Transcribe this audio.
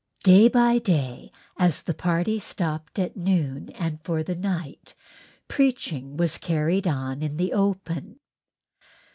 Day by day as the party stopped at noon and for the night preaching was carried on in the open.